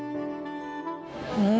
うん。